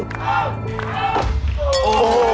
ครับ